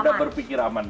sudah berpikir aman